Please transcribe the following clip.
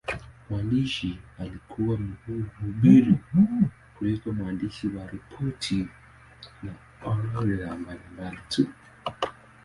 Mwandishi alikuwa mhubiri kuliko mwandishi wa ripoti na orodha mbalimbali tu.